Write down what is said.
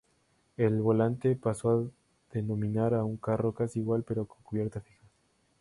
El volante pasó a denominar a un carro casi igual pero con cubierta fija.